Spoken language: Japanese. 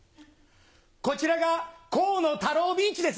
こちらが河野太郎ビーチです。